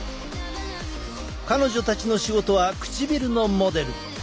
彼女たちの仕事は唇のモデル。